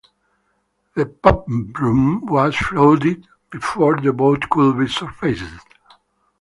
The pumproom was flooded before the boat could be surfaced.